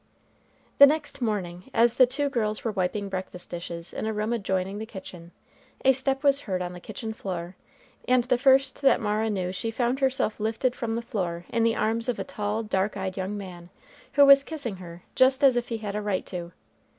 The next morning as the two girls were wiping breakfast dishes in a room adjoining the kitchen, a step was heard on the kitchen floor, and the first that Mara knew she found herself lifted from the floor in the arms of a tall dark eyed young man, who was kissing her just as if he had a right to.